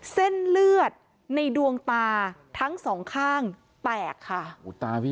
เส้นเลือดในดวงตาทั้งสองข้างแตกค่ะ